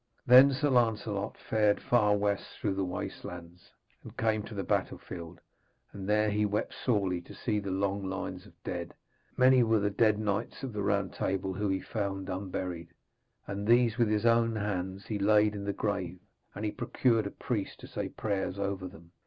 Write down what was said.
Then Sir Lancelot fared far west through the wastelands, and came to the battlefield; and there he wept sorely to see the long lines of dead. Many were the dead knights of the Round Table whom he found unburied, and these with his own hands he laid in the grave, and he procured a priest to say prayers over them.